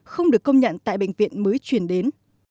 không được công nhận tại bệnh viện mới chuyển đến